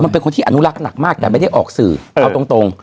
เป็นคนที่อนุรักษ์หนักมากแต่ไม่ได้ออกสื่อเอาตรง